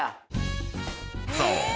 ［そう。